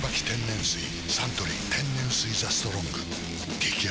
サントリー天然水「ＴＨＥＳＴＲＯＮＧ」激泡